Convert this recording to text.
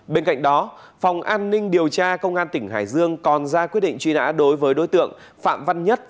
bên cạnh đó phòng an ninh điều tra công an tỉnh hải dương còn ra quyết định truy nã đối với đối tượng phạm văn nhất